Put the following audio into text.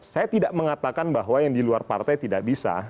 saya tidak mengatakan bahwa yang di luar partai tidak bisa